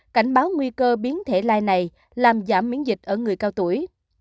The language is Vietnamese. cảnh báo nguy cơ biến thể lai này làm giảm miễn dịch ở người cao tuổi